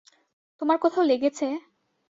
তোমার কোথাও লেগেছে?